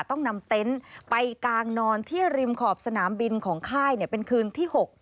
ต้องนำเต็นต์ไปกางนอนที่ริมขอบสนามบินของค่ายเป็นคืนที่๖